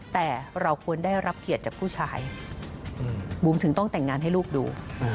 แต่เราควรได้รับเกียรติจากผู้ชายบุ๋มถึงต้องแต่งงานให้ลูกดู